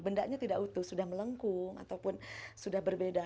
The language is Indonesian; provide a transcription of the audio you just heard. bendanya tidak utuh sudah melengkung ataupun sudah berbeda